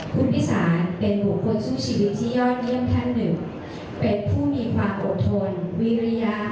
คุณพิสารเป็นผู้คนสู้ชีวิตที่ยอดเลี่ยมท่านหนึ่ง